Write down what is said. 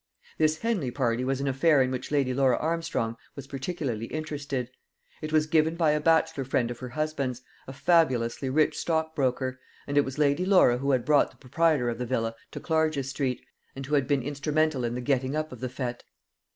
This Henley party was an affair in which Lady Laura Armstrong was particularly interested. It was given by a bachelor friend of her husband's, a fabulously rich stockbroker; and it was Lady Laura who had brought the proprietor of the villa to Clarges street, and who had been instrumental in the getting up of the fête.